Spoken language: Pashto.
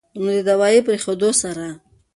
نو د دوائي پرېښودو سره به